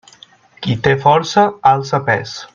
Qui té força, alça pes.